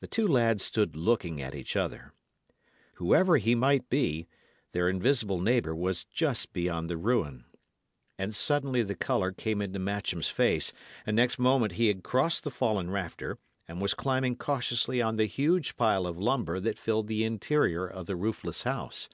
The two lads stood looking at each other. Whoever he might be, their invisible neighbour was just beyond the ruin. And suddenly the colour came into Matcham's face, and next moment he had crossed the fallen rafter, and was climbing cautiously on the huge pile of lumber that filled the interior of the roofless house.